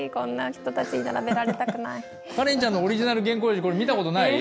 カレンちゃんのオリジナル原稿用紙これ見た事ない？